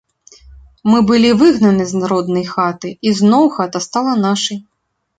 Мы былі выгнаны з роднай хаты, і зноў хата стала нашай.